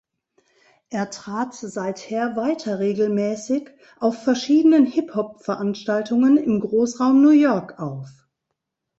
Er trat seither weiter regelmäßig auf verschiedenen Hip-Hop-Veranstaltungen im Großraum New York auf.